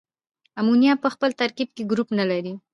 امونیا په خپل ترکیب کې ګروپ نلري.